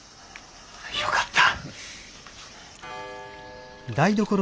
よかった。